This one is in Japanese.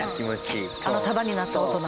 あの束になった音が。